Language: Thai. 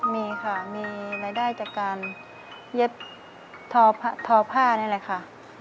มีค่ะมีรายได้จากการเย็บทอผ้านี่แหละค่ะ